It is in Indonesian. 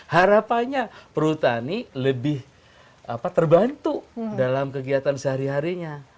harapannya perhutani lebih terbantu dalam kegiatan sehari harinya